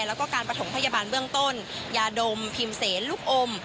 แล้วก็การประถมพยาบาลเบื้องต้นยาดมพิมพ์เสนลูกอม